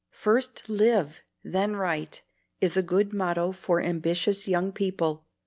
'First live, then write,' is a good motto for ambitious young people.